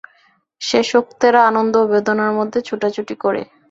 শেষোক্তেরা আনন্দ ও বেদনার মধ্যে ছুটোছুটি করে।